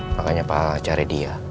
makanya pak al cari dia